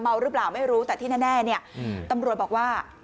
เมาหรือเปล่าไม่รู้แต่ที่แน่ตำรวจบอกว่า